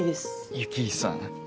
雪井さん。